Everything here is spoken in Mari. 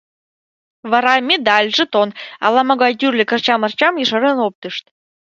Вара медаль, жетон, ала-могай тӱрлӧ кырча-марчам ешарен оптышт.